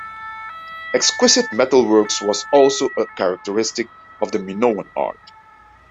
Exquisite metal work was also a characteristic of the Minoan art.